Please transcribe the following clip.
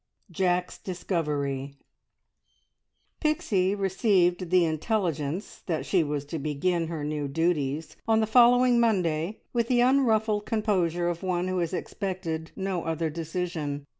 JACK'S DISCOVERY. Pixie received the intelligence that she was to begin her new duties on the following Monday with the unruffled composure of one who has expected no other decision.